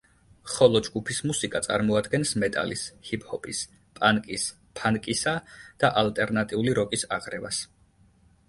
ხოლო ჯგუფის მუსიკა წარმოადგენს მეტალის, ჰიპ ჰოპის, პანკის, ფანკისა და ალტერნატიული როკის აღრევას.